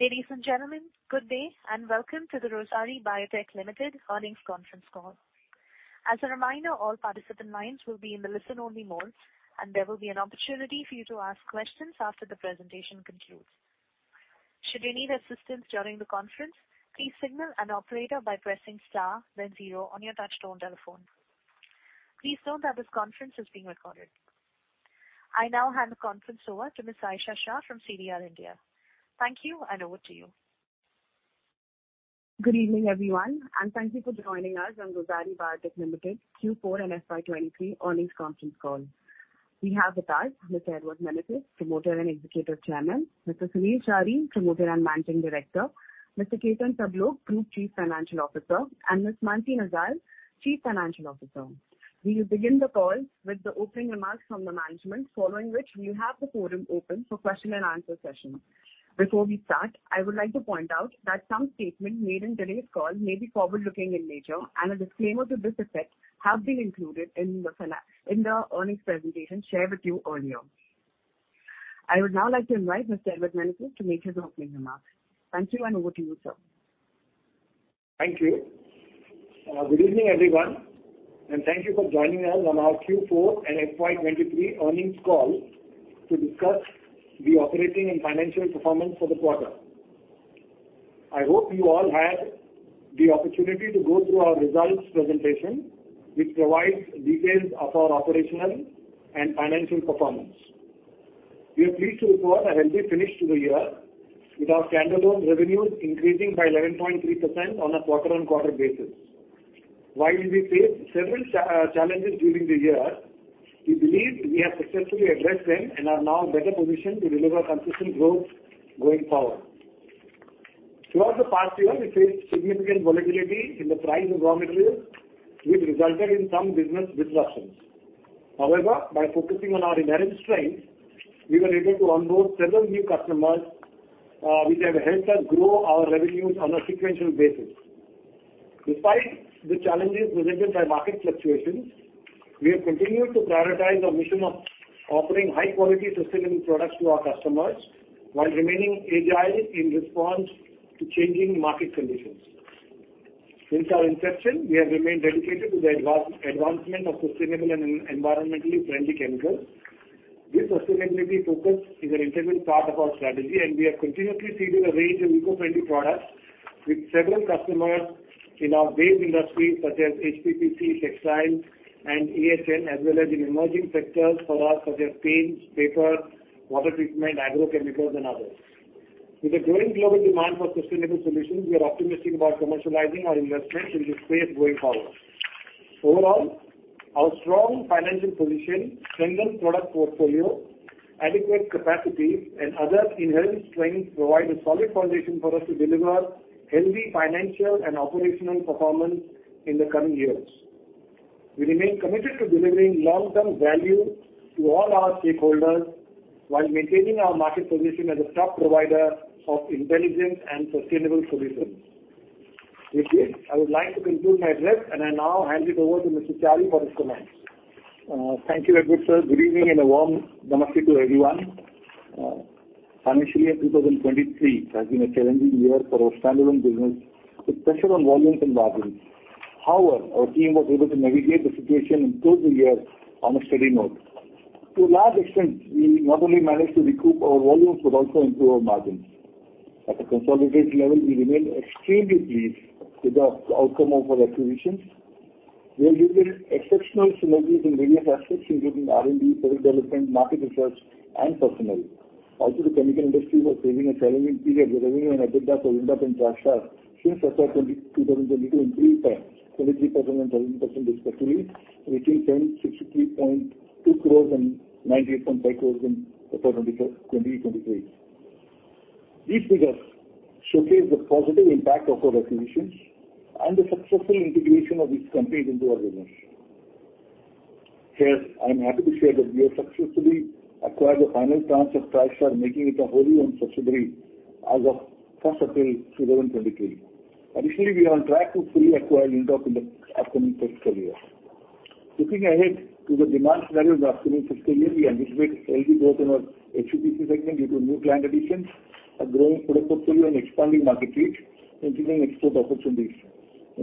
Ladies and gentlemen, good day, and welcome to the Rossari Biotech Limited earnings conference call. As a reminder, all participant lines will be in the listen-only mode, and there will be an opportunity for you to ask questions after the presentation concludes. Should you need assistance during the conference, please signal an operator by pressing star then zero on your touchtone telephone. Please note that this conference is being recorded. I now hand the conference over to Ms. Aesha Shah from CDR India. Thank you, and over to you. Good evening, everyone, and thank you for joining us on Rossari Biotech Limited Q4 and FY23 earnings conference call. We have with us Mr. Edward Menezes, Promoter and Executive Chairman, Mr. Sunil Chari, Promoter and Managing Director, Mr. Ketan Sablok, Group Chief Financial Officer, and Ms. Manasi Nisal, Chief Financial Officer. We will begin the call with the opening remarks from the management, following which we'll have the forum open for question and answer session. Before we start, I would like to point out that some statements made in today's call may be forward-looking in nature, and a disclaimer to this effect have been included in the earnings presentation shared with you earlier. I would now like to invite Mr. Edward Menezes to make his opening remarks. Thank you, and over to you, sir. Thank you. Good evening, everyone, and thank you for joining us on our Q4 and FY23 earnings call to discuss the operating and financial performance for the quarter. I hope you all had the opportunity to go through our results presentation, which provides details of our operational and financial performance. We are pleased to report a healthy finish to the year, with our standalone revenues increasing by 11.3% on a quarter-on-quarter basis. While we faced several challenges during the year, we believe we have successfully addressed them and are now better positioned to deliver consistent growth going forward. Throughout the past year, we faced significant volatility in the price of raw materials, which resulted in some business disruptions. By focusing on our inherent strengths, we were able to onboard several new customers, which have helped us grow our revenues on a sequential basis. Despite the challenges presented by market fluctuations, we have continued to prioritize our mission of offering high-quality, sustainable products to our customers while remaining agile in response to changing market conditions. Since our inception, we have remained dedicated to the advancement of sustainable and environmentally friendly chemicals. This sustainability focus is an integral part of our strategy, we are continuously seizing a range of eco-friendly products with several customers in our base industries such as HPPC, textiles, and AHN, as well as in emerging sectors for such as paints, paper, water treatment, agrochemicals and others. With the growing global demand for sustainable solutions, we are optimistic about commercializing our investments in this space going forward. Overall, our strong financial position, strengthened product portfolio, adequate capacity, and other inherent strengths provide a solid foundation for us to deliver healthy financial and operational performance in the coming years. We remain committed to delivering long-term value to all our stakeholders while maintaining our market position as a top provider of intelligent and sustainable solutions. With this, I would like to conclude my address. I now hand it over to Mr. Chari for his remarks. Thank you, Edward, sir. Good evening and a warm namaste to everyone. Financially, year 2023 has been a challenging year for our standalone business with pressure on volumes and margins. However, our team was able to navigate the situation and close the year on a steady note. To a large extent, we not only managed to recoup our volumes but also improve our margins. At a consolidated level, we remain extremely pleased with the outcome of our acquisitions. We have yielded exceptional synergies in various aspects including R&D, product development, market research and personnel. The chemical industry was facing a challenging period, with revenue and EBITDA for Unitop and Tristar since FY 2022 increased by 23% and 13% respectively, reaching INR 1,063.2 crores and INR 98.5 crores in FY 2023. These figures showcase the positive impact of our acquisitions and the successful integration of these companies into our business. Here, I'm happy to share that we have successfully acquired the final tranche of Tristar, making it a wholly owned subsidiary as of April 1, 2023. We are on track to fully acquire Unitop in the upcoming fiscal year. Looking ahead to the demand scenario in the upcoming fiscal year, we anticipate healthy growth in our HPPC segment due to new plant additions, a growing product portfolio and expanding market reach, increasing export opportunities.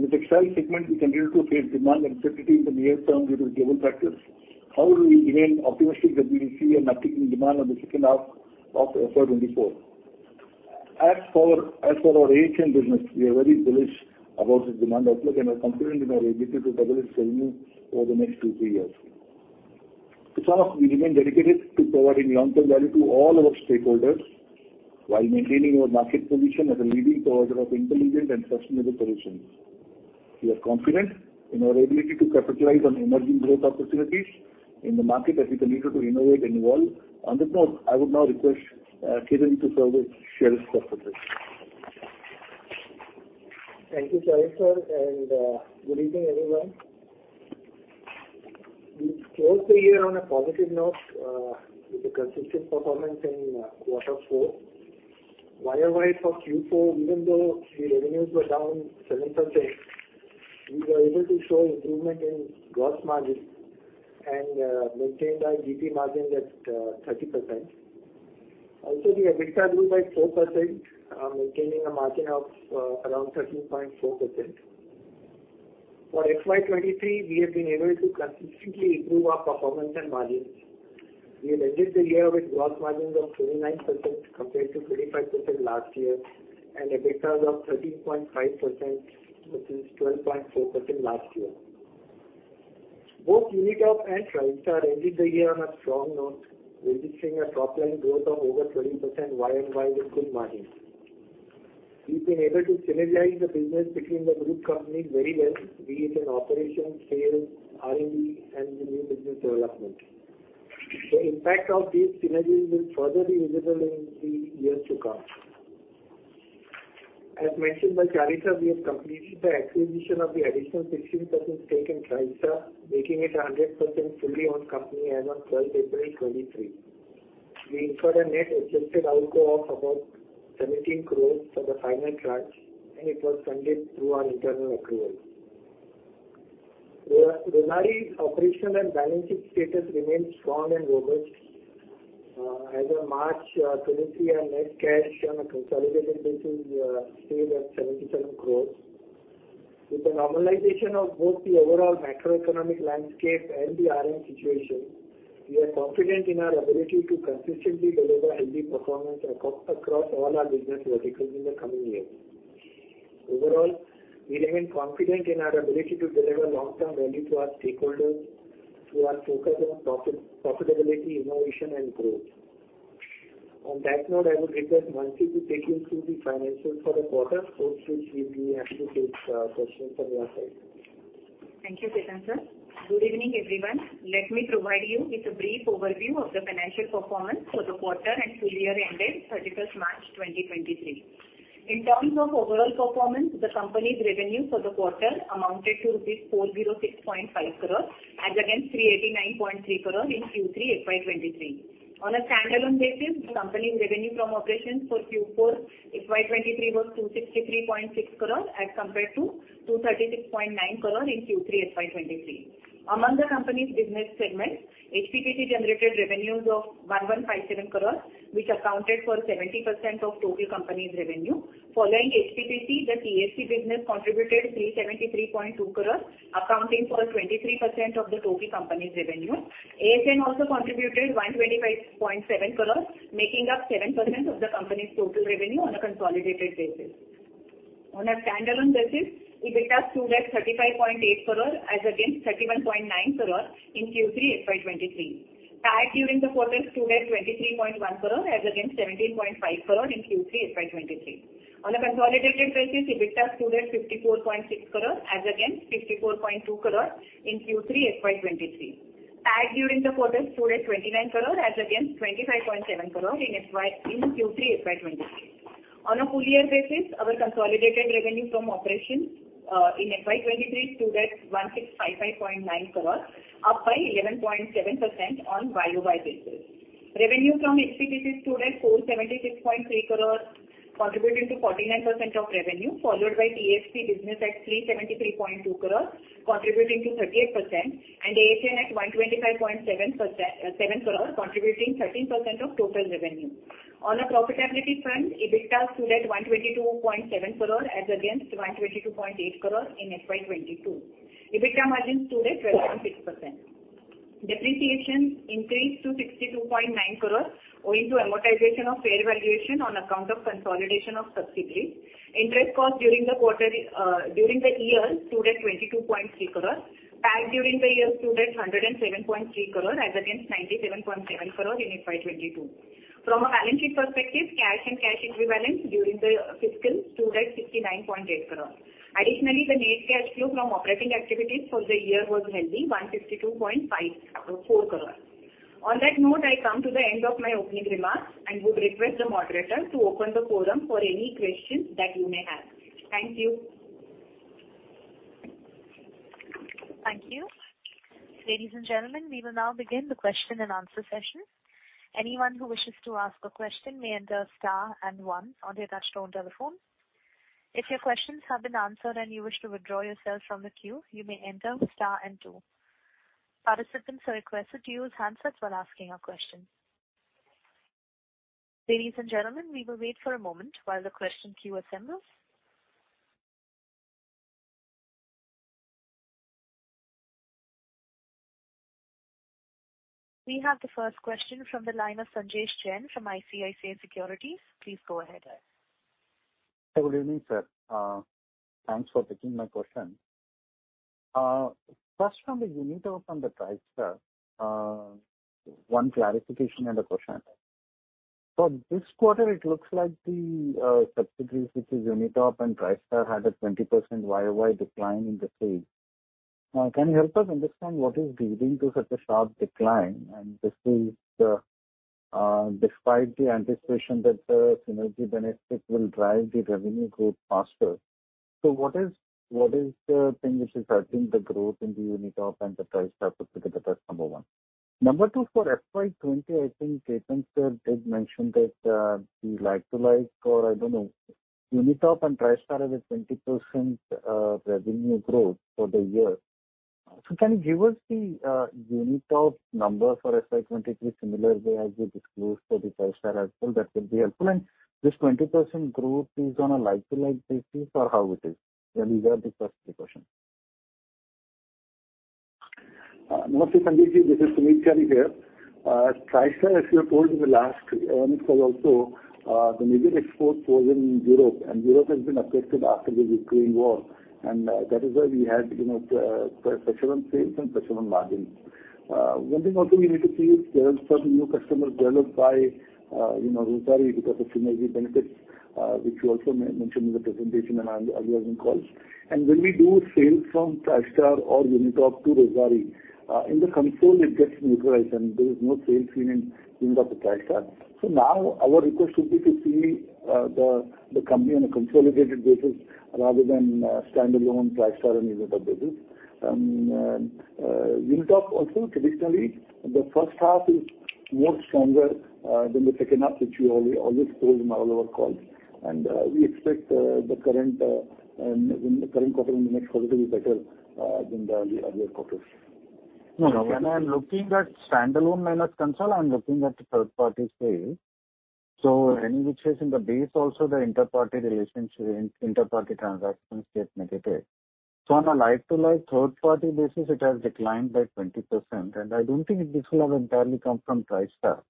In the textile segment, we continue to face demand uncertainty in the near term due to global factors. We remain optimistic that we will see an uptick in demand in the second half of FY 2024. As for our AHN business, we are very bullish about the demand outlook and are confident in our ability to double its revenue over the next 2, 3 years. To sum up, we remain dedicated to providing long-term value to all our stakeholders while maintaining our market position as a leading provider of intelligent and sustainable solutions. We are confident in our ability to capitalize on emerging growth opportunities in the market as we continue to innovate and evolve. On that note, I would now request Ketan to share his thoughts with us. Thank you, Chari, sir. Good evening, everyone. We closed the year on a positive note with a consistent performance in quarter four. YoY for Q4, even though the revenues were down 7%. We were able to show improvement in gross margins and maintained our GP margins at 30%. The EBITDA grew by 4%, maintaining a margin of around 13.4%. For FY 2023, we have been able to consistently improve our performance and margins. We ended the year with gross margins of 29% compared to 25% last year, and EBITDAs of 13.5%, which is 12.4% last year. Both Unitop and Tristar ended the year on a strong note, registering a top-line growth of over 20% YoY with good margins. We've been able to synergize the business between the group companies very well, be it in operations, sales, R&D, and the new business development. The impact of these synergies will further be visible in the years to come. As mentioned by Chari, sir we have completed the acquisition of the additional 16% stake in Tristar, making it a 100% fully owned company as of 12th April 2023. We incurred a net adjusted outflow of about 17 crores for the final tranche, and it was funded through our internal accrual. Rossari's operational and balancing status remains strong and robust. As of March 2023, our net cash on a consolidated basis stayed at 77 crores. With the normalization of both the overall macroeconomic landscape and the RM situation, we are confident in our ability to consistently deliver healthy performance across all our business verticals in the coming years. Overall, we remain confident in our ability to deliver long-term value to our stakeholders through our focus on profit-profitability, innovation and growth. On that note, I would request Manasi to take you through the financials for the quarter, post which we'd be happy to take questions from your side. Thank you, Ketan sir. Good evening, everyone. Let me provide you with a brief overview of the financial performance for the quarter and full year ended 31st March 2023. In terms of overall performance, the company's revenue for the quarter amounted to rupees 406.5 crore as against 389.3 crore in Q3 FY23. On a standalone basis, the company's revenue from operations for Q4 FY23 was 263.6 crore as compared to 236.9 crore in Q3 FY23. Among the company's business segments, HPPC generated revenues of 1,157 crore, which accounted for 70% of total company's revenue. Following HPPC, the TSC business contributed 373.2 crore, accounting for 23% of the total company's revenue. AHN also contributed 125.7 crore, making up 7% of the company's total revenue on a consolidated basis. On a standalone basis, EBITDA stood at 35.8 crore as against 31.9 crore in Q3 FY 2023. Tag during the quarter stood at 23.1 crore as against 17.5 crore in Q3 FY 2023. On a consolidated basis, EBITDA stood at 54.6 crore as against 54.2 crore in Q3 FY 2023. Tag during the quarter stood at 29 crore as against 25.7 crore in Q3 FY 2023. On a full year basis, our consolidated revenue from operations in FY 2023 stood at 1,655.9 crore, up by 11.7% on YoY basis. Revenue from HPPC stood at 476.3 crore, contributing to 49% of revenue, followed by TSC business at 373.2 crore, contributing to 38%, and AHN at 125.7 crore, contributing 13% of total revenue. On a profitability front, EBITDA stood at 122.7 crore as against 122.8 crore in FY 2022. EBITDA margin stood at 12.6%. Depreciation increased to 62.9 crore owing to amortization of fair valuation on account of consolidation of subsidiaries. Interest cost during the quarter, during the year stood at 22.3 crore. Tag during the year stood at 107.3 crore as against 97.7 crore in FY 2022. From a balance sheet perspective, cash and cash equivalents during the fiscal stood at 69.8 crore. Additionally, the net cash flow from operating activities for the year was healthy, 152.54 crore. On that note, I come to the end of my opening remarks and would request the moderator to open the forum for any questions that you may have. Thank you. Thank you. Ladies and gentlemen, we will now begin the question and answer session. Anyone who wishes to ask a question may enter star and one on their touchtone telephone. If your questions have been answered and you wish to withdraw yourself from the queue, you may enter star and two. Participants are requested to use handsets while asking a question. Ladies and gentlemen, we will wait for a moment while the question queue assembles. We have the first question from the line of Sanjesh Jain from ICICI Securities. Please go ahead. Good evening, sir. Thanks for taking my question. First from the Unitop and the Tristar, one clarification and a question. For this quarter, it looks like the subsidiaries, which is Unitop and Tristar, had a 20% YoY decline in the sales. Can you help us understand what is leading to such a sharp decline? This is despite the anticipation that the synergy benefit will drive the revenue growth faster. What is the thing which is hurting the growth in the Unitop and the Tristar particular business, number one? Number two, for FY 20, I think Ketan sir did mention that, he like to like or I don't know, Unitop and Tristar have a 20% revenue growth for the year. Can you give us the Unitop number for FY 23 similarly as you disclosed for the Tristar as well? That will be helpful. This 20% growth is on a like-to-like basis or how it is? These are the first two questions. Namaste, Sanjesh Jain. This is Sunil Chari here. Tristar, as we have told in the last earnings call also, the major export was in Europe, and Europe has been affected after the Ukraine war. That is why we had, you know, pressured on sales and pressured on margins. One thing also we need to see is there are certain new customers developed by, you know, Rossari because of synergy benefits, which you also mentioned in the presentation and on earlier earnings calls. When we do sales from Tristar or Unitop to Rossari, in the console it gets neutralized and there is no sales feeling in the Tristar. Now our request would be to see the company on a consolidated basis rather than standalone Tristar and Unitop basis. Unitop also traditionally the first half is more stronger than the second half, which we always told in all our calls. We expect the current in the current quarter and the next quarter to be better than the earlier quarters. No, no. When I'm looking at standalone minus console, I'm looking at third party sales. Any which case in the base also the interparty relationship, interparty transactions get negative. On a like-to-like third party basis it has declined by 20%, and I don't think this will have entirely come from Tristar.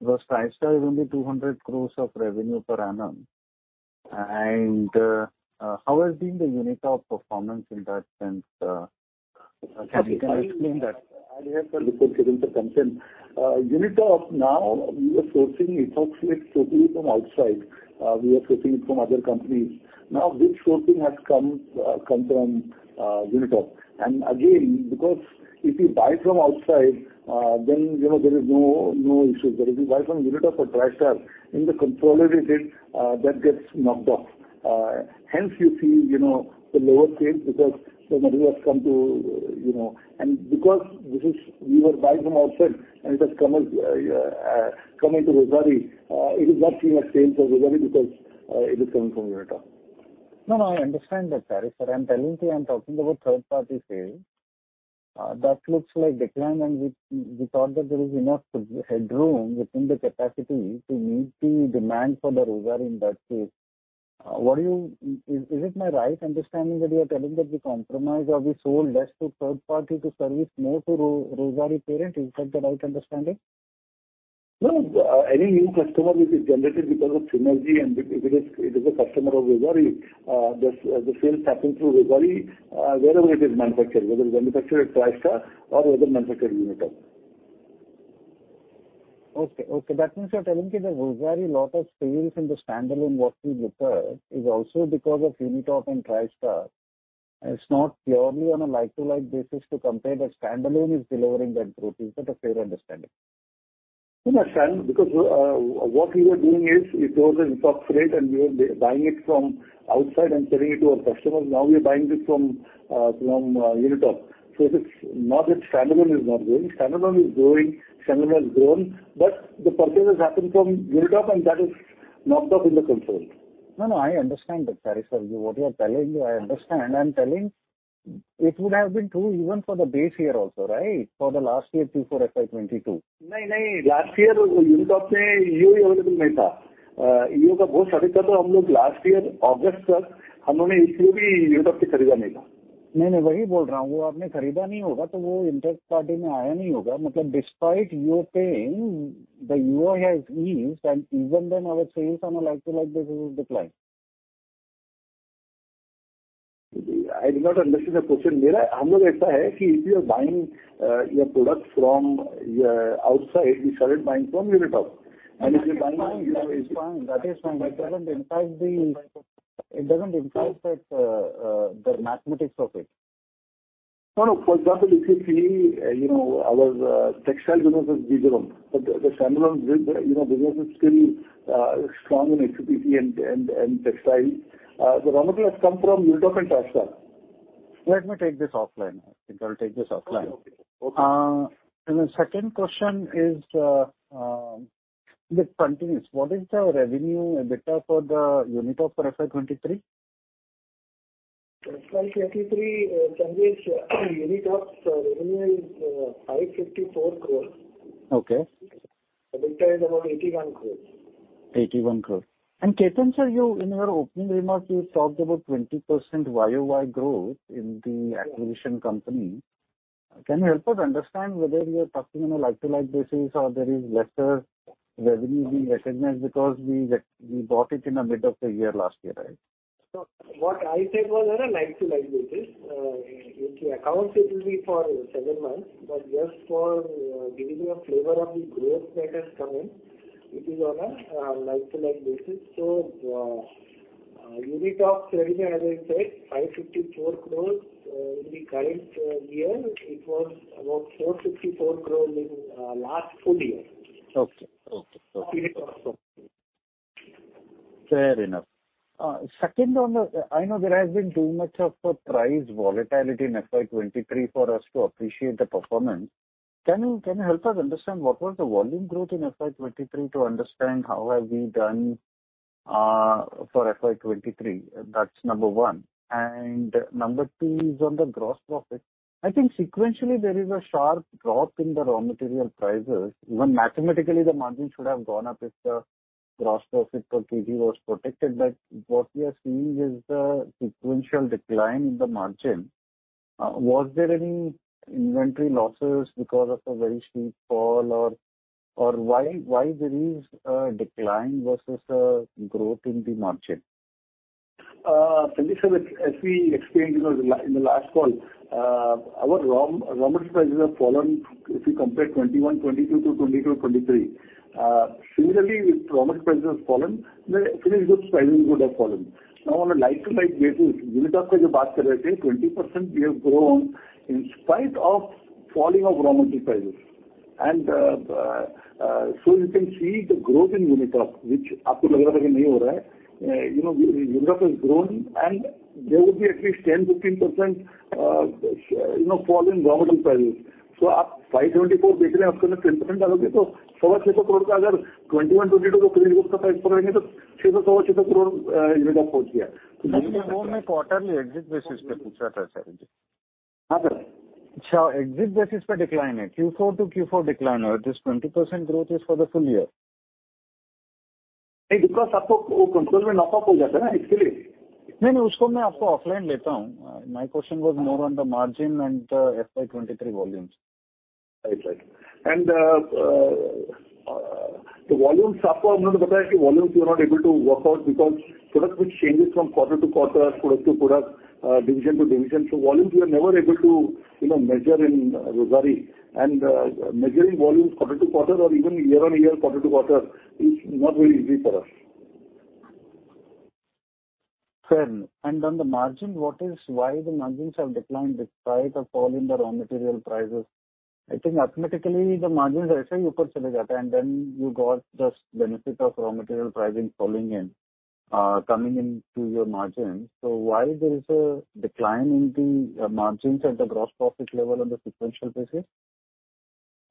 Because Tristar is only 200 crores of revenue per annum. How has been the Unitop performance in that sense, can you explain that? I hear your concern. Unitop now we are sourcing ethoxylate totally from outside. We are sourcing it from other companies. Now this sourcing has come from Unitop. Again, because if you buy from outside, then you know there is no issue. If you buy from Unitop or Tristar in the consolidated, that gets knocked off. Hence you see, you know, the lower sales because the material has come to. Because this is we were buying from outside and it has come into Rossari, it is not seen as sales for Rossari because it is coming from Unitop. No, no, I understand that, Charit. I'm telling you I'm talking about third party sales. That looks like decline and we thought that there is enough headroom within the capacity to meet the demand for the Rossari in that case. Is it my right understanding that you are telling that we compromise or we sold less to third party to service more to Rossari parent, is that the right understanding? No. any new customer which is generated because of synergy and it is a customer of Rossari, the sales passing through Rossari, wherever it is manufactured, whether it's manufactured at Tristar or whether manufactured at Unitop. Okay. Okay. That means you're telling me the Rossari lot of sales in the standalone what we booker is also because of Unitop and Tristar. It's not purely on a like-to-like basis to compare that standalone is delivering that growth. Is that a fair understanding? No, no. Because what we were doing is we source the ethoxylate and we were buying it from outside and selling it to our customers. Now we're buying it from Unitop. It's not that standalone is not growing. Standalone is growing, standalone has grown, but the purchase has happened from Unitop and that is knocked off in the console. No, no, I understand that, Charit, sir. What you are telling you, I understand. I'm telling it would have been true even for the base year also, right? For the last year before FY 22. I do not understand the question. If you are buying, your product from, outside, we started buying from Unitop. No, it's fine. That is fine. It doesn't impact the mathematics of it. No, no. For example, if you see, you know, our textile business is bigger. The standalone you know business is still strong in FPT and textile. The raw material has come from Unitop and Tristar. Let me take this offline. I think I'll take this offline. Okay. Okay. The second question is, it continues. What is the revenue EBITDA for the Unitop for FY 23? FY 23, Sanjesh, Unitop's revenue is, INR 554 crores. Okay. EBITDA is about INR 81 crores. INR 81 crore. Ketan, sir, you in your opening remarks talked about 20% YoY growth in the acquisition company. Can you help us understand whether you're talking on a like-to-like basis or there is lesser revenue being recognized because we bought it in the mid of the year last year, right? What I said was on a like-to-like basis. In the accounts it will be for seven months, but just for giving you a flavor of the growth that has come in, it is on a like-to-like basis. Unitop's revenue, as I said, 554 crores. In the current year it was about 464 crore in last full year. Okay. Okay. Okay. Unitop. Fair enough. Second on the I know there has been too much of a price volatility in FY23 for us to appreciate the performance. Can you help us understand what was the volume growth in FY23 to understand how have we done for FY23? That's number 1. Number 2 is on the gross profit. I think sequentially there is a sharp drop in the raw material prices. Even mathematically, the margin should have gone up if the gross profit per kg was protected. What we are seeing is a sequential decline in the margin. Was there any inventory losses because of a very steep fall or why there is a decline versus a growth in the margin? Sanjesh sir, as we explained, you know, in the last call, our raw material prices have fallen if you compare 2021, 2022 to 2022, 2023. Similarly, if raw material prices have fallen, the finished goods pricing would have fallen. Now, on a like-to-like basis, Unitop 20% we have grown in spite of falling of raw material prices. You can see the growth in Unitop which you know, Unitop has grown and there would be at least 10%-15% fall in raw material prices. 2021, 2022. No, quarterly exit basis decline, Q4 to Q4 decline, or this 20% growth is for the full year. My question was more on the margin and the FY 23 volumes. Right. Right. The volumes we are not able to work out because product which changes from quarter to quarter, product to product, division to division. Volumes we are never able to, you know, measure in Rossari. Measuring volumes quarter to quarter or even year on year, quarter to quarter is not very easy for us. Fair enough. On the margin, what is why the margins have declined despite a fall in the raw material prices? I think mathematically the margins and then you got just benefit of raw material pricing falling in, coming into your margins. Why there is a decline in the margins at the gross profit level on the sequential basis?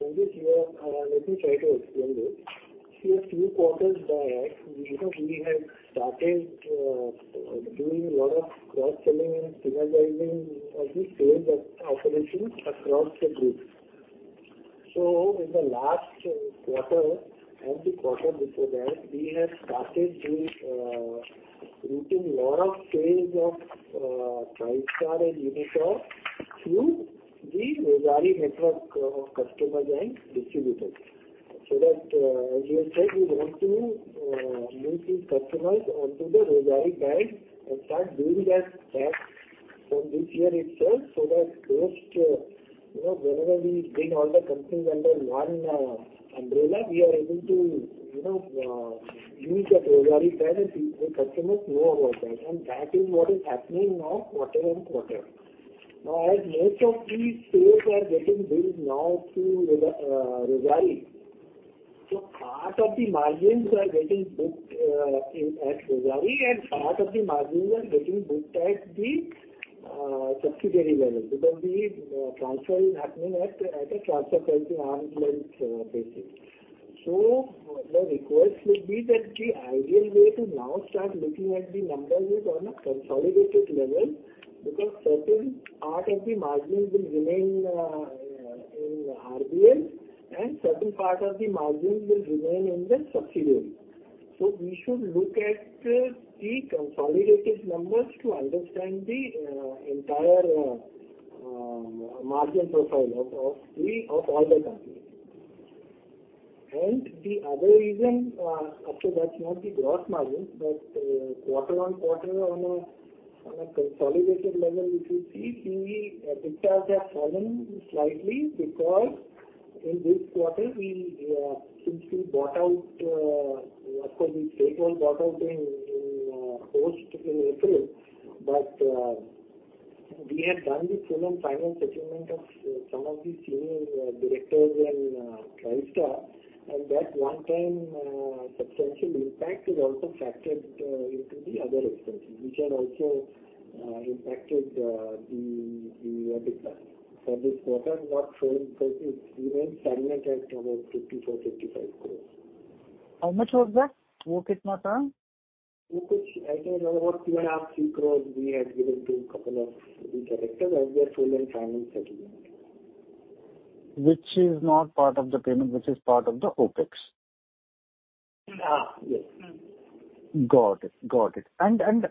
Sanjesh, here, let me try to explain this. See, a few quarters back, you know, we had started doing a lot of cross-selling and synergizing of the sales operations across the group. In the last quarter and the quarter before that, we had started doing routing lot of sales of Tristar and Unitop through the Rossari network of customer and distributors. That, as you have said, we want to move these customers onto the Rossari brand and start building that brand from this year itself, so that most, you know, whenever we bring all the companies under one umbrella, we are able to, you know, use the Rossari brand and the customers know about that. That is what is happening now quarter-on-quarter. As most of these sales are getting built now through Rossari, part of the margins are getting booked at Rossari, and part of the margins are getting booked at the subsidiary level because the transfer is happening at a transfer pricing arm's length basis. The request would be that the ideal way to now start looking at the numbers is on a consolidated level because certain part of the margins will remain in RBL and certain part of the margins will remain in the subsidiary. We should look at the consolidated numbers to understand the entire margin profile of all the companies. The other reason, after that's not the gross margins, but quarter-on-quarter on a consolidated level, if you see, the EBITDA have fallen slightly because in this quarter we, since we bought out, of course the sale was bought out post in April. We had done the full and final settlement of some of the senior directors in Tristar, and that one time substantial impact is also factored into the other expenses which have also impacted the EBITDA for this quarter, not showing because it remains stagnant at about INR 54-55 crores. How much was that? I think about 2.5-3 crores we had given to a couple of the directors as their full and final settlement. Which is not part of the payment, which is part of the OpEx. Yes. Got it. Got it. Ketan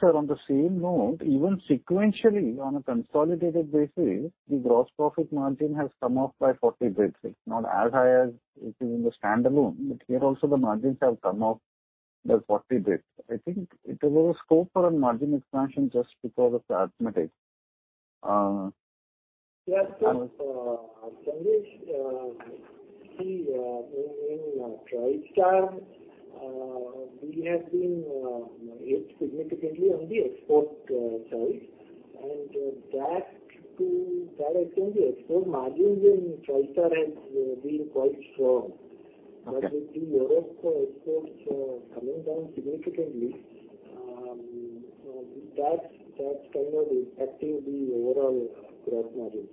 Sir, on the same note, even sequentially on a consolidated basis, the gross profit margin has come off by 40 basis points, not as high as it is in the standalone, but here also the margins have come off by 40 basis points. I think there was a scope for a margin expansion just because of the arithmetic. Yes, sir. Sanjesh, sir, in Tristar, we have been hit significantly on the export side. To that extent, the export margins in Tristar has been quite strong. Okay. With the Europe exports coming down significantly, that's kind of impacting the overall gross margins.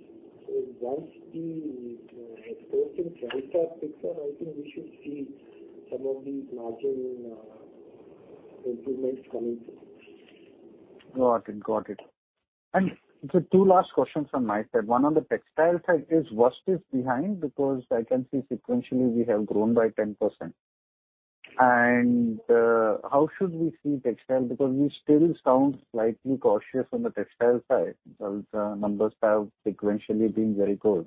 Once the exports in Tristar picks up, I think we should see some of these margin improvements coming through. Got it. Got it. Two last questions from my side. One on the textile side is what is behind because I can see sequentially we have grown by 10%. How should we see textile? Because we still sound slightly cautious on the textile side. Those numbers have sequentially been very good.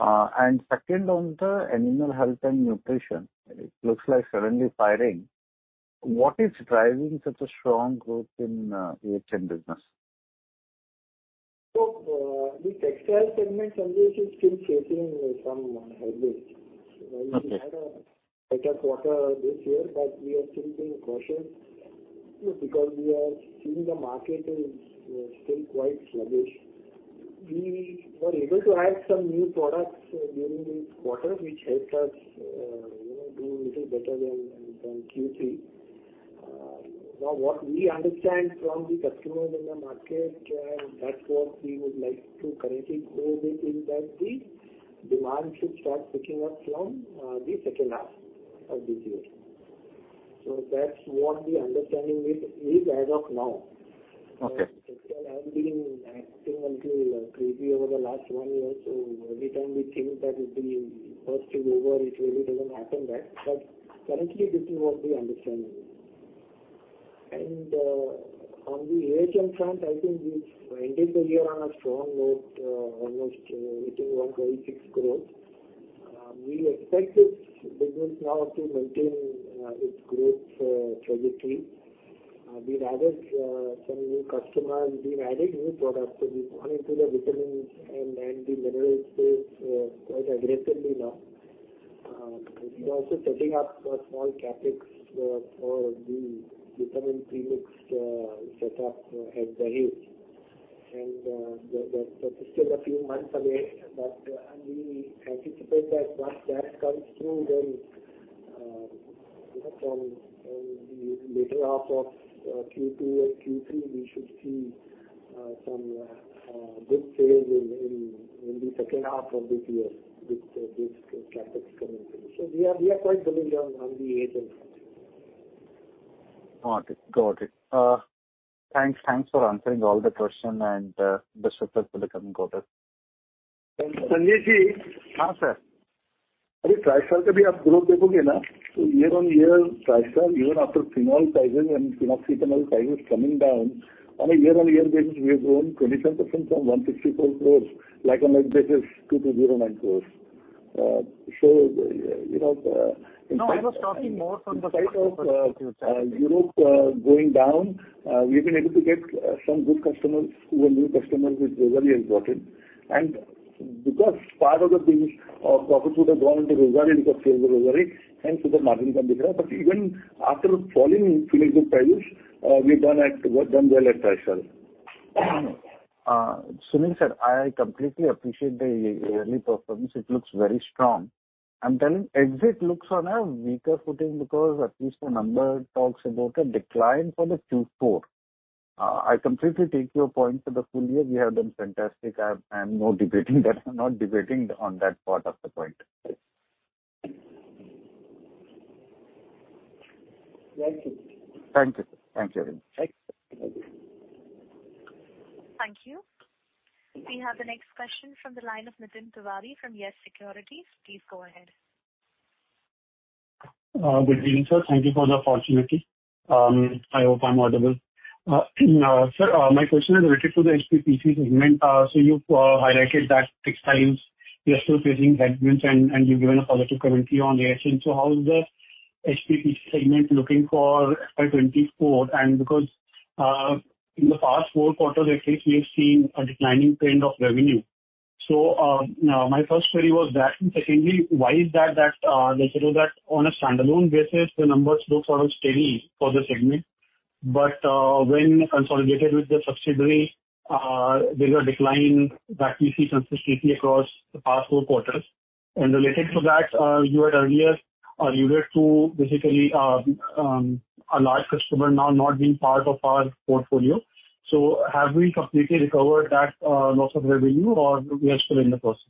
Second on the Animal Health and Nutrition, it looks like suddenly firing. What is driving such a strong growth in AHN business? The textile segment Sanjesh is still facing some headwinds. Okay. We had a better quarter this year, we are still being cautious because we are seeing the market is still quite sluggish. We were able to add some new products during this quarter, which helped us, you know, do a little better than Q3. What we understand from the customers in the market, that's what we would like to currently go with, is that the demand should start picking up from the second half of this year. That's what the understanding is as of now. Okay. Textile has been acting a little creepy over the last one year. Every time we think that it'll be bursting over it really doesn't happen that. Currently this is what we understand. On the AHN front, I think we've ended the year on a strong note, almost hitting 126% growth. We expect this business now to maintain its growth for 2023. We've added some new customers. We've added new products. We've gone into the vitamins and the minerals space quite aggressively now. We're also setting up a small CapEx for the vitamin premix setup at Dahej. That, that's still a few months away. We anticipate that once that comes through then, you know, from the latter half of Q2 or Q3, we should see some good sales in the second half of this year with this CapEx coming through. We are quite bullish on the AHN front. Got it. Got it. Thanks for answering all the question and best wishes for the coming quarter. Sanjesh Jain. Yes, sir. Year-on-year Tristar even after phenol prices and phenoxyethanol prices coming down on a year-on-year basis, we have grown 27% from 164 crores like on like basis to 209 crores. you know, No, I was talking more from the. In spite of Europe going down, we've been able to get some good customers who are new customers with Rossari has brought in. Because part of the business or profit would have gone into Rossari because sales are Rossari, hence super margin come. Even after falling phenol prices, we've done well at Tristar. Sunil sir, I completely appreciate the yearly performance. It looks very strong. I'm telling exit looks on a weaker footing because at least the number talks about a decline for the Q4. I completely take your point for the full year. We have done fantastic. I'm not debating that. I'm not debating on that part of the point. Thank you. Thank you. Thank you very much. Thanks. Thank you. We have the next question from the line of Nitin Tiwari from Yes Securities. Please go ahead. Good evening, sir. Thank you for the opportunity. I hope I'm audible. Sir, my question is related to the HPPC segment. You've highlighted that textiles you are still facing headwinds and you've given a positive commentary on AHN. How is the HPPC segment looking for FY 2024? Because in the past 4 quarters at least we have seen a declining trend of revenue. My first query was that. Secondly, why is that basically that on a standalone basis the numbers look sort of steady for the segment. When consolidated with the subsidiary, there's a decline that we see consistently across the past 4 quarters. Related to that, you had earlier alluded to basically a large customer now not being part of our portfolio. Have we completely recovered that loss of revenue or we are still in the process?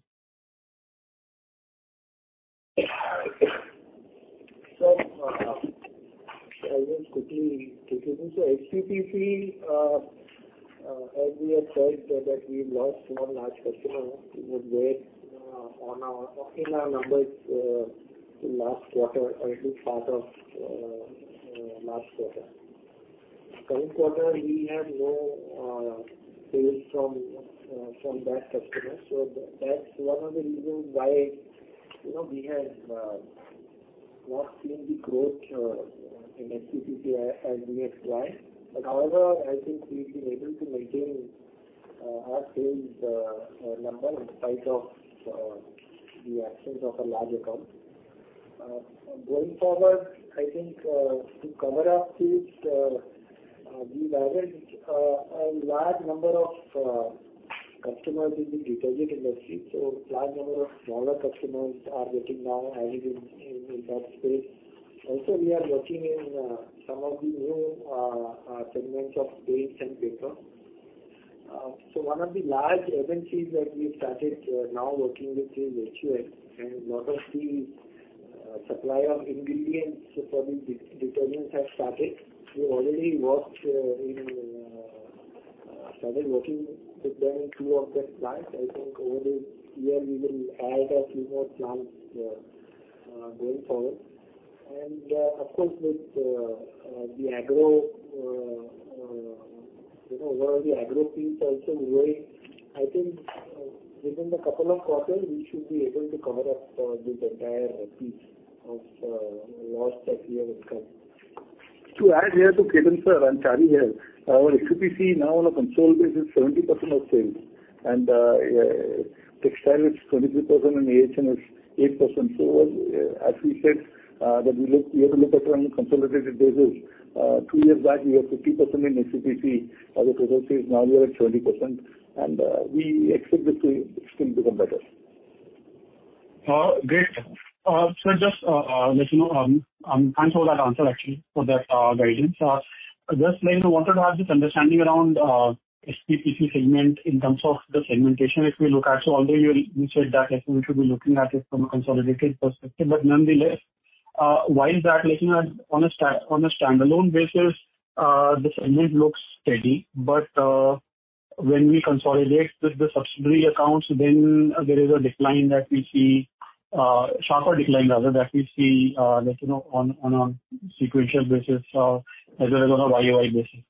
Sir, I will quickly take it. HPPC, as we have said that we lost one large customer who weighed on our numbers last quarter or at least part of last quarter. Current quarter we have no sales from that customer. That's one of the reasons why, you know, we have not seen the growth in HPPC as we expect. However, I think we've been able to maintain our sales number in spite of the absence of a large account. Going forward, I think, to cover up this, we've added a large number of customers in the detergent industry. Large number of smaller customers are getting now added in that space. We are working in some of the new segments of paints and paper. One of the large agencies that we started now working with is HUL, and lot of the supplier ingredients for the de-detergents have started. We already started working with them, 2 of their plants. I think over the year we will add a few more plants going forward. Of course, with the agro, you know, one of the agro piece also growing. I think within the couple of quarters we should be able to cover up this entire piece of loss that we have incurred. To add here to Ketan sir, I'm Charit here. Our HPPC now on a consolidated basis, 70% of sales. textile is 23% and AHN is 8%. as we said, we have to look at it from a consolidated basis. Two years back we were 50% in HPPC as a percentage. Now we are at 20% and we expect it to still become better. Great. Just let you know, thanks for that answer actually, for that guidance. Just like wanted to have this understanding around HPPC segment in terms of the segmentation if we look at. Although you said that like we should be looking at it from a consolidated perspective, but nonetheless, why is that looking at on a standalone basis, the segment looks steady, but when we consolidate with the subsidiary accounts then there is a decline that we see, sharper decline rather that we see, like, you know, on a sequential basis, as well as on a YoY basis.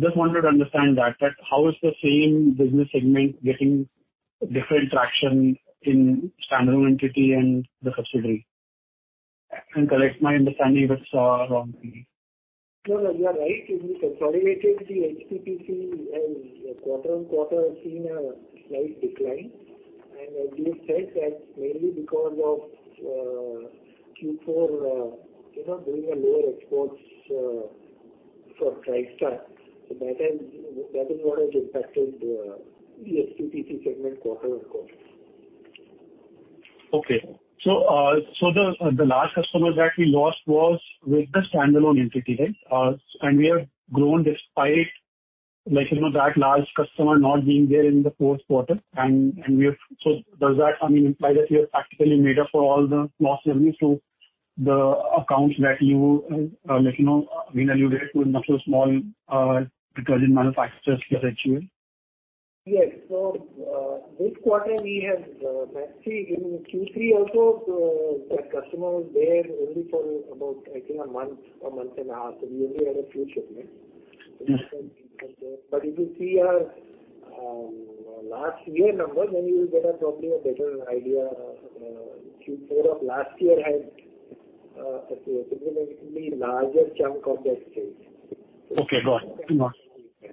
Just wanted to understand that how is the same business segment getting different traction in standalone entity and the subsidiary? Correct my understanding if it's wrong. No, no, you are right. If you consolidated the HPPC as quarter on quarter, you've seen a slight decline. As we have said that mainly because of Q4, you know, doing a lower exports, for Tristar. That is what has impacted the HPPC segment quarter on quarter. Okay. The, the large customers that we lost was with the standalone entity, right? We have grown despite like, you know, that large customer not being there in the fourth quarter and we have... Does that, I mean, imply that we have practically made up for all the lost revenues through the accounts that you, let you know, reallocated to a number of small, detergent manufacturers like HUL? Yes. This quarter we have actually in Q3 also, that customer was there only for about I think a month or month and half. We only had a few shipments. Yeah. If you see our last year number, then you will get a probably a better idea. Q4 of last year had a significantly larger chunk of that sales. Okay. Got it. No worries.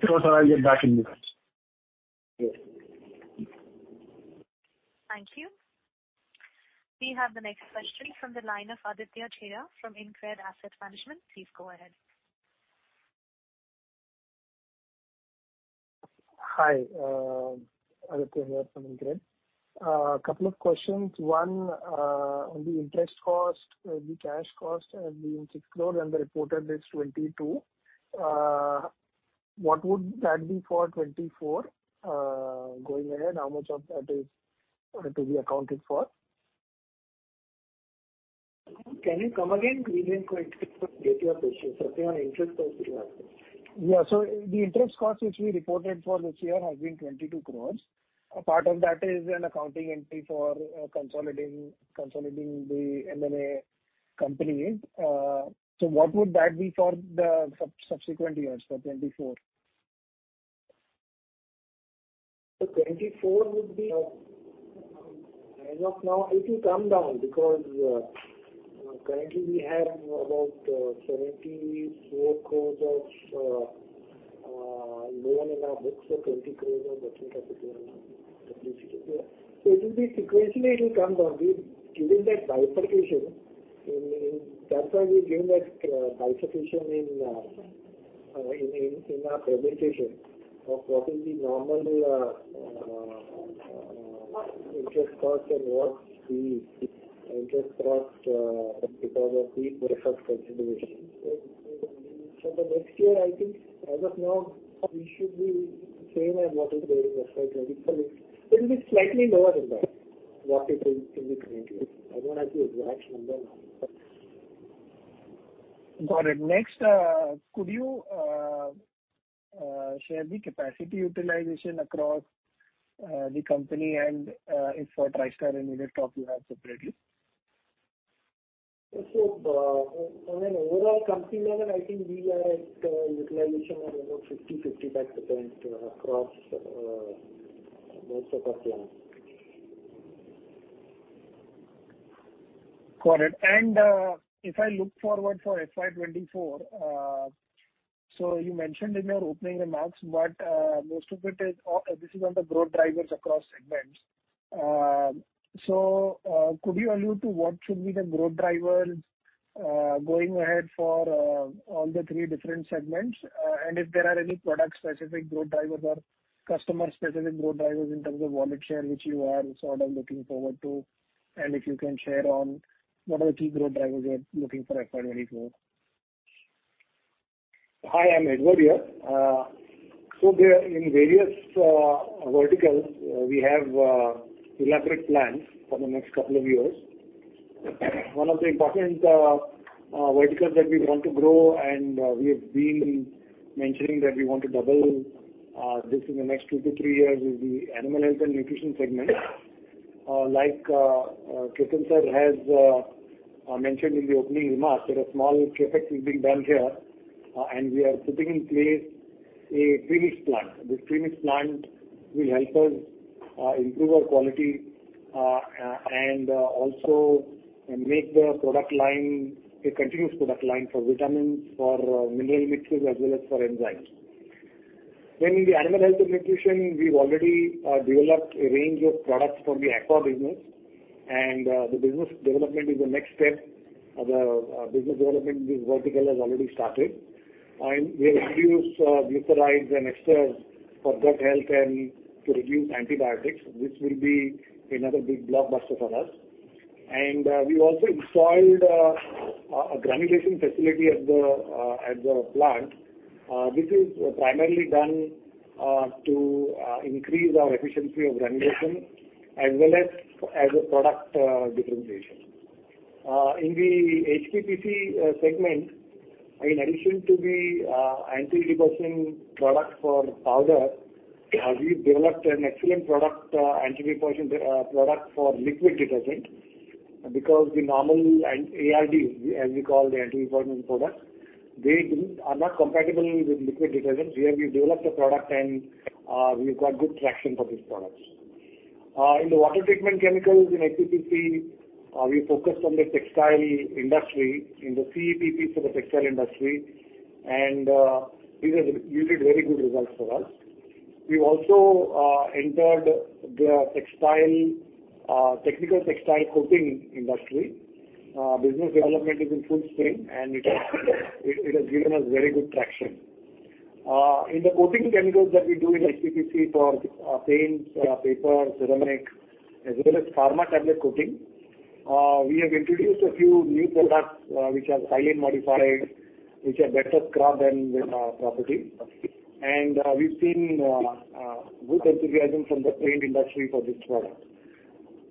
Sir I'll get back in touch. Yes. Thank you. We have the next question from the line of Aditya Chheda from InCred Asset Management. Please go ahead. Hi, Aditya here from InCred. Couple of questions. One, on the interest cost, the cash cost has been INR 6 crore and the reported is 22 crore. What would that be for 2024? Going ahead, how much of that is to be accounted for? Can you come again? We didn't quite get your question. Something on interest cost you asked. Yeah. The interest cost which we reported for this year has been 22 crores. A part of that is an accounting entry for consolidating the M&A completed. What would that be for the subsequent years, for 2024? 2024 would be, as of now it will come down because, currently we have about 74 crores of loan in our books of 20 crores of working capital. Got it. It will be sequentially it will come down. We've given that bifurcation in. That's why we've given that bifurcation in our presentation of what is the normal interest cost and what we interest cost because of these professional considerations. For next year, I think as of now we should be same as what is there in the slide 24. It will be slightly lower than that, what it is in the current year. I don't have the exact number now. Got it. Next, could you share the capacity utilization across the company and if for Tristar and Unitop you have separately? On an overall company level, I think we are at utilization of about 50%-55% across most of our plants. Got it. If I look forward for FY 2024, you mentioned in your opening remarks, most of it is this is on the growth drivers across segments. Could you allude to what should be the growth drivers going ahead for all the three different segments? If there are any product-specific growth drivers or customer-specific growth drivers in terms of wallet share, which you are sort of looking forward to, and if you can share on what are the key growth drivers you're looking for FY 2024? Hi, Amit here. We are in various verticals. We have elaborate plans for the next couple of years. One of the important verticals that we want to grow, and we have been mentioning that we want to double this in the next 2 to 3 years is the Animal Health and Nutrition segment. Like, Ketan sir has mentioned in the opening remarks that a small CapEx is being done here, and we are putting in place a premix plant. This premix plant will help us improve our quality and also make the product line a continuous product line for vitamins, for mineral mixtures, as well as for enzymes. Then in the Animal Health and Nutrition, we've already developed a range of products for the aqua business, and the business development is the next step. The business development in this vertical has already started. And we have reduced glycerides and esters for gut health and to reduce antibiotics, which will be another big blockbuster for us. And we've also installed a granulation facility at the plant. This is primarily done to increase our efficiency of granulation as well as a product differentiation. In the HPPC segment, in addition to the anti-redeposition product for powder, we've developed an excellent product, anti-redeposition product for liquid detergent, because the normal ARD, as we call the anti-redeposition product, they are not compatible with liquid detergent. Here we've developed a product and we've got good traction for these products. In the water treatment chemicals in HPPC, we focused on the textile industry, in the CEP piece of the textile industry. These have yielded very good results for us. We've also entered the textile technical textile coating industry. Business development is in full swing, and it has given us very good traction. In the coating chemicals that we do in HPPC for paints, paper, ceramic, as well as pharma tablet coating, we have introduced a few new products, which are silane-modified, which have better scrub and wet property. We've seen good enthusiasm from the paint industry for this product.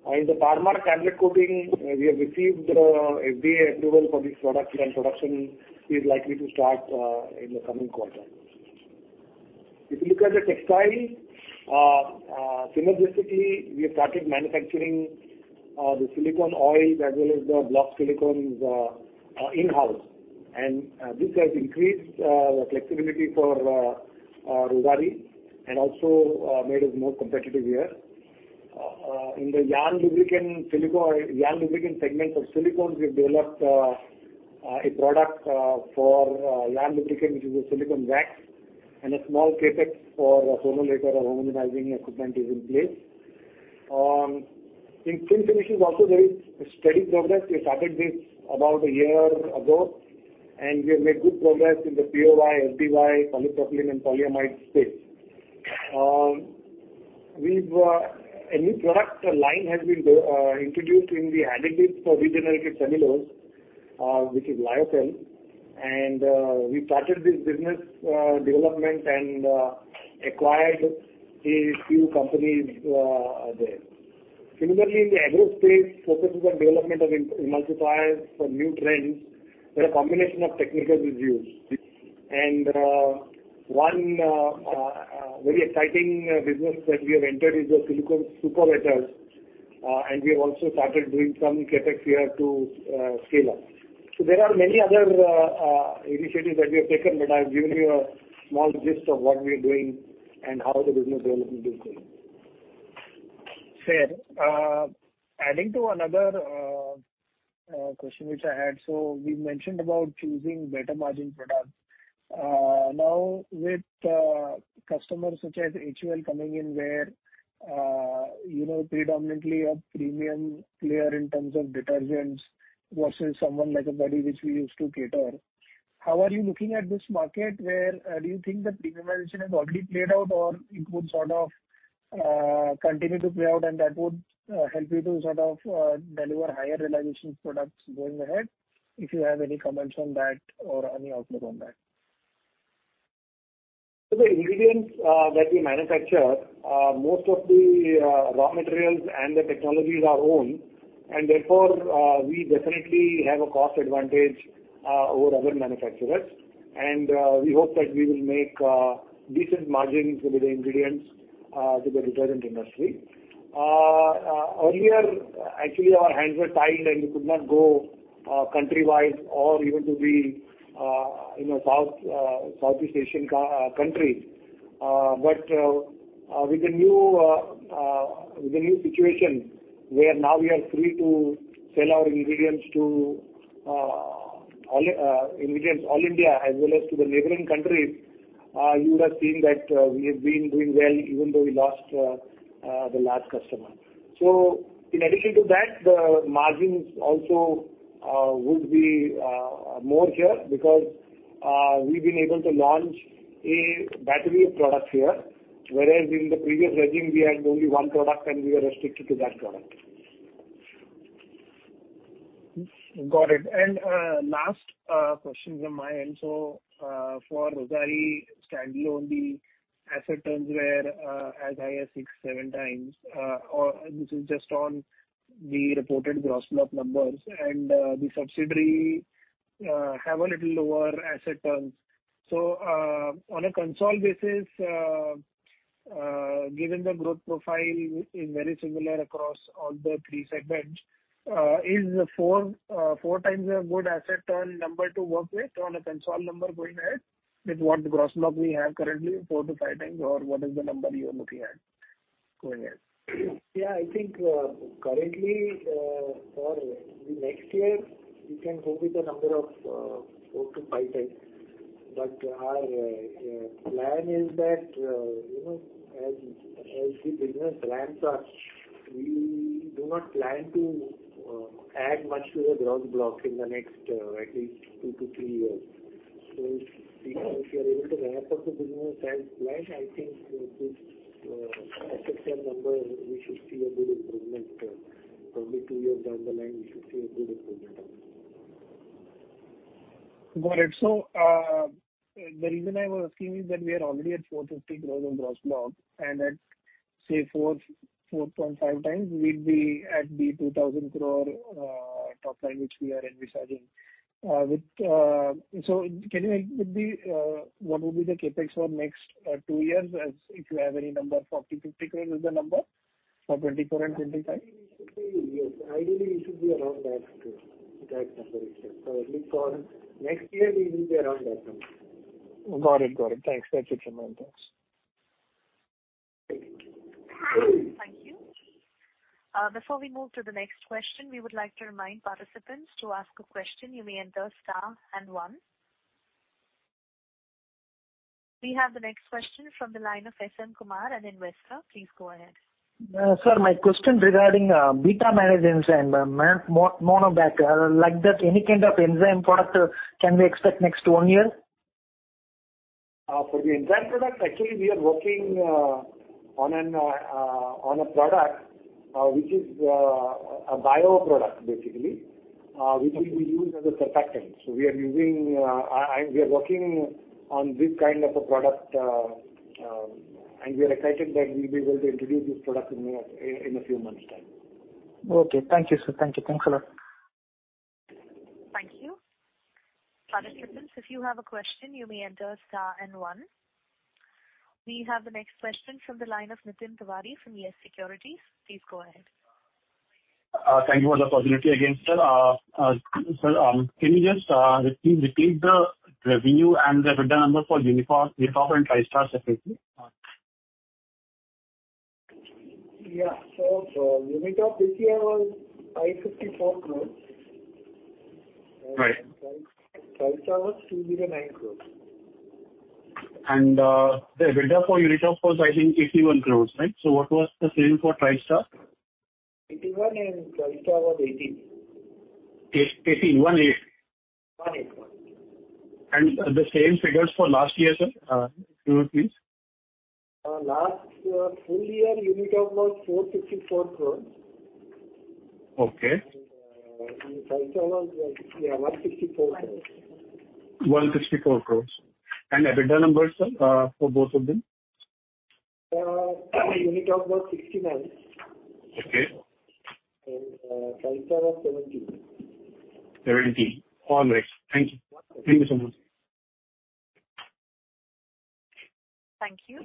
In the pharma tablet coating, we have received FDA approval for this product. Production is likely to start in the coming quarter. If you look at the textile, synergistically, we have started manufacturing the silicone oil as well as the block silicones in-house. This has increased flexibility for our users and also made us more competitive here. In the yarn lubricant silicon-yarn lubricant segment, for silicones, we've developed a product for yarn lubricant, which is a silicone wax and a small CapEx for formulator or homogenizing equipment is in place. In film finishes, also very steady progress. We started this about a year ago, and we have made good progress in the POY, FDY, polypropylene and polyamide space. A new product line has been introduced in the additives for regenerated cellulose, which is Lyocell. We started this business development and acquired a few companies there. Similarly, in the agro space, focuses on development of emulsifiers for new trends where a combination of technical is used. One very exciting business that we have entered is the silicone superwetters, and we have also started doing some CapEx here to scale up. There are many other initiatives that we have taken, but I've given you a small gist of what we are doing and how the business development is going. Fair. Adding to another question which I had. We mentioned about choosing better margin products. Now with customers such as HUL coming in where, you know, predominantly a premium player in terms of detergents versus someone like a Body which we used to cater, how are you looking at this market where do you think the premiumization has already played out or it would sort of continue to play out and that would help you to sort of deliver higher realization products going ahead? If you have any comments on that or any outlook on that? The ingredients that we manufacture, most of the raw materials and the technologies are own, and therefore, we definitely have a cost advantage over other manufacturers. We hope that we will make decent margins with the ingredients to the detergent industry. Earlier, actually our hands were tied and we could not go country-wise or even to be, you know, South, Southeast Asian countries. With the new, the new situation where now we are free to sell our ingredients to all ingredients all India as well as to the neighboring countries, you would have seen that we have been doing well even though we lost the large customer. In addition to that, the margins also would be more here because we've been able to launch a battery of products here, whereas in the previous regime we had only 1 product and we were restricted to that product. Got it. Last question from my end. For Rossari standalone, the asset turns were as high as 6, 7 times, or this is just on the reported gross block numbers and the subsidiary have a little lower asset turns. On a console basis, given the growth profile is very similar across all the three segments, is the 4 times a good asset turn number to work with on a console number going ahead with what gross block we have currently 4-5 times or what is the number you are looking at going ahead? I think, currently, for the next year, you can go with a number of 4 to 5 times. Our plan is that, you know, as the business ramps up, we do not plan to add much to the gross block in the next at least 2 to 3 years. If we are able to ramp up the business as planned, I think this asset turn number we should see a good improvement. Probably 2 years down the line we should see a good improvement on this. Got it. The reason I was asking is that we are already at 450 crore of gross block and at, say 4-4.5x we'd be at the 2,000 crore top line which we are envisaging. With the, what would be the CapEx for next two years as if you have any number, 40-50 crore is the number for 2024 and 2025? It should be, yes. Ideally it should be around that number you said. At least for next year we will be around that number. Got it. Got it. Thanks. That's it from my end. Thanks. Thank you. Before we move to the next question, we would like to remind participants to ask a question you may enter star and one. We have the next question from the line of S.M. Kumar, an investor. Please go ahead. Sir, my question regarding beta-mannan enzyme, monobactam, like that any kind of enzyme product can we expect next one year? For the enzyme product, actually we are working on a product which is a bioproduct basically which will be used as a surfactant. We are using and we are working on this kind of a product and we are excited that we'll be able to introduce this product in a few months time. Okay. Thank you, sir. Thank you. Thanks a lot. Thank you. Participants, if you have a question, you may enter star and 1. We have the next question from the line of Nitin Tiwari from Yes Securities. Please go ahead. Thank you for the opportunity again, sir. Sir, can you just, please repeat the revenue and the EBITDA number for Unitop and Tristar separately? Yeah. For Unitop this year was 554 crores. Right. Tristar was 209 crores. The EBITDA for Unitop was I think 81 crores, right? What was the same for Tristar? 81 and Tristar was 18. 18. 1 8. 1 8, 1 8. The same figures for last year, sir, if you would please. last full year Unitop was INR 464 crores. Okay. Tristar was, yeah, 164 crores. 164 crores. EBITDA numbers, sir, for both of them. Unitop was INR 69. Okay. Tristar was 17. 17. All right. Thank you. Welcome. Thank you so much. Thank you.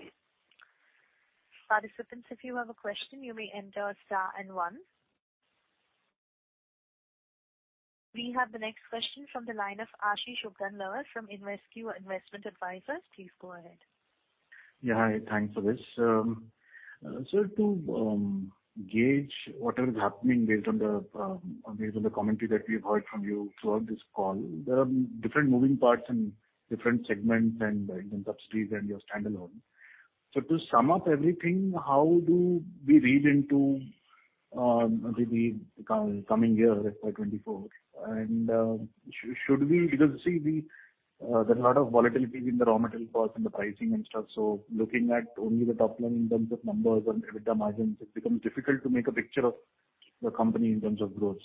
Participants, if you have a question, you may enter star and one. We have the next question from the line of Ashish Ukani from InvesQ Investment Advisors. Please go ahead. Hi, thanks for this. Sir, to gauge what is happening based on the based on the commentary that we've heard from you throughout this call, there are different moving parts and different segments and even subsidies and your standalone. To sum up everything, how do we read into maybe the coming year, FY 2024? Should we... See we, there's a lot of volatility in the raw material costs and the pricing and stuff. Looking at only the top line in terms of numbers and EBITDA margins, it becomes difficult to make a picture of the company in terms of growth.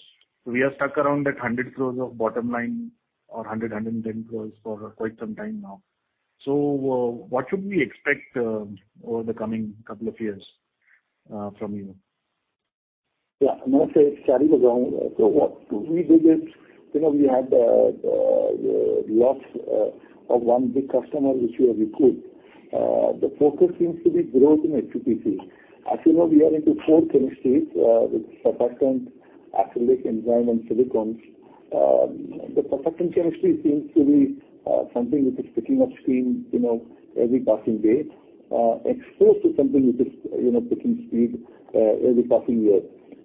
We are stuck around that 100 crores of bottom line or 100-110 crores for quite some time now. What should we expect over the coming couple of years from you? Yeah. No, say, carrying around. What we did is, you know, we had loss of one big customer which we have replaced. The focus seems to be growth in HPPC. As you know, we are into four chemistries, with surfactant, acrylic, enzyme and silicones. The surfactant chemistry seems to be something which is picking up steam, you know, every passing day. Exports is something which is, you know, picking speed every passing year.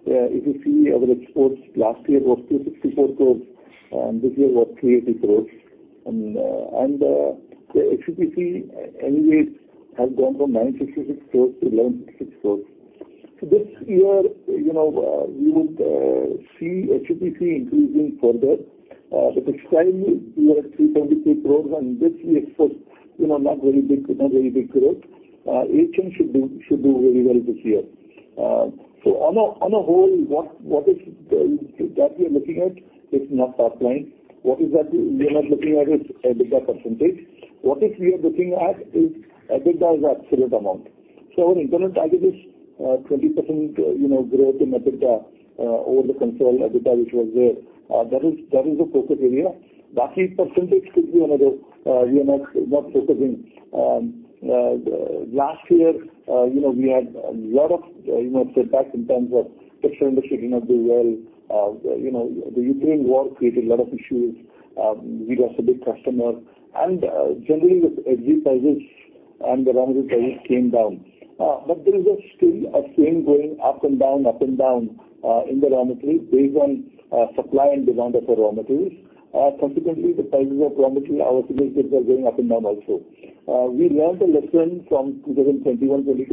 If you see our exports last year was 264 crores, and this year was 380 crores. The HPPC anyways has gone from 966 crores to 1,166 crores. This year, you know, we would see HPPC increasing further, because finally we are at 323 crores and this year exports, you know, not very big growth. AHN should do very well this year. On a whole, what is that we are looking at is not top line. What is that we are not looking at is EBITDA %. What is we are looking at is EBITDA as absolute amount. Our internal target is 20%, you know, growth in EBITDA over the controlled EBITDA which was there. That is the focus area. Baaki % could be another, we are not focusing. Last year, you know, we had a lot of, you know, setbacks in terms of textile industry did not do well. You know, the Ukraine war created a lot of issues. We lost a big customer and generally the AD sizes and the raw material prices came down. But there is a still a frame going up and down, up and down, in the raw materials based on supply and demand of the raw materials. Consequently, the prices of raw material, our silicones are going up and down also. We learned a lesson from 2021-22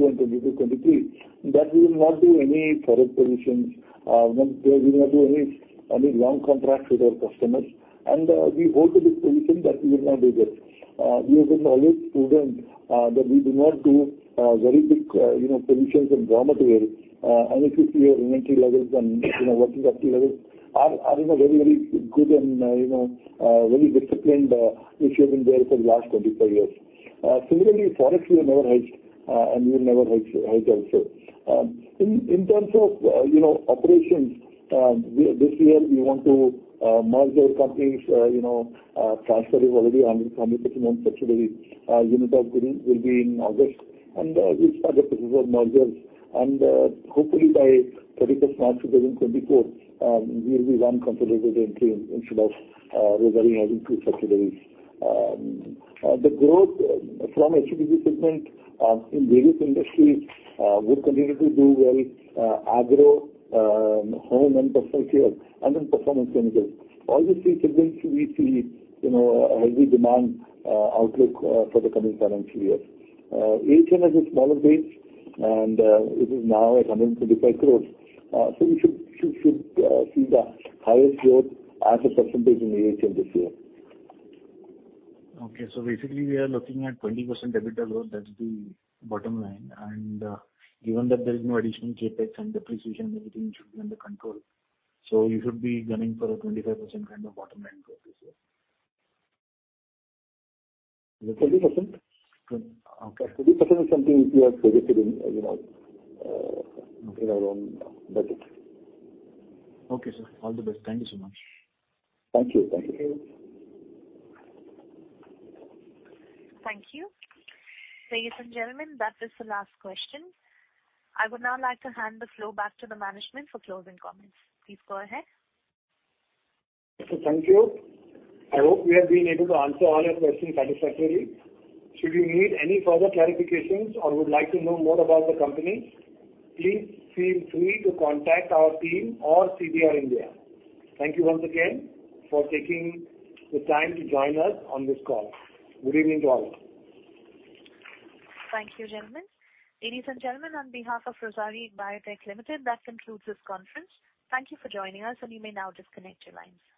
and 2022-23 that we will not do any forex positions. We will not do any long contracts with our customers. We hold to this position that we will not do this. We have been always prudent that we do not do very big, you know, positions in raw materials. If you see our inventory levels and, you know, working capital levels are, you know, very, very good and, you know, very disciplined, which have been there for the last 25 years. Similarly, forex we have never hedged, and we will never hedge also. In terms of, you know, operations, this year we want to merge our companies, you know, Tristar is already 100 percent owned subsidiary. Unitop Gurugram will be in August, and we'll start the process of mergers. Hopefully by 31st March 2024, we will be one consolidated entity instead of remaining as 2 subsidiaries. The growth from HPPC segment, in various industries, will continue to do well, agro, Home and Personal Care and Performance Chemicals. All these three segments we see, you know, a heavy demand, outlook, for the coming financial year. AHN has a smaller base and, it is now at 125 crores. We should see the highest growth as a percentage in AHN this year. Okay. Basically we are looking at 20% EBITDA growth. That's the bottom line. Given that there is no additional CapEx and depreciation, everything should be under control. You should be gunning for a 25% kind of bottom line growth this year. The 20%? Good. Okay. 20% is something which we have budgeted in, you know, in our own budgets. Okay, sir. All the best. Thank you so much. Thank you. Thank you. Thank you. Ladies and gentlemen, that is the last question. I would now like to hand the floor back to the management for closing comments. Please go ahead. Thank you. I hope we have been able to answer all your questions satisfactorily. Should you need any further clarifications or would like to know more about the company, please feel free to contact our team or CDR India. Thank you once again for taking the time to join us on this call. Good evening to all. Thank you, gentlemen. Ladies and gentlemen, on behalf of Rossari Biotech Limited, that concludes this conference. Thank you for joining us and you may now disconnect your lines. Thank you.